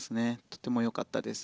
とてもよかったです。